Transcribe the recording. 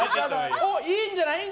いいんじゃない？